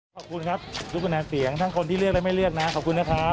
ขอบคุณครับทุกคะแนนเสียงทั้งคนที่เลือกและไม่เลือกนะขอบคุณนะครับ